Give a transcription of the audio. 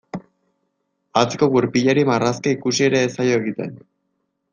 Atzeko gurpilari marrazkia ikusi ere ez zaio egiten.